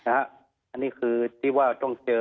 อันนี้คือที่ว่าต้องเจอ